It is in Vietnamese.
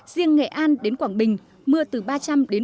riêng nghệ an đến quảng bình mưa từ ba trăm linh bốn trăm linh mm